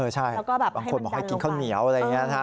ใช่บางคนบอกให้กินข้าวเหนียวอะไรอย่างนี้